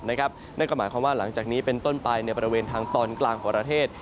นั่นก็หมายความว่าหลังจากนี้เป็นต้นไปในบริเวณทางตอนกลางของประเทศ